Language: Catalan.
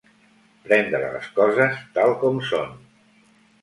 Prendre les coses tal com són.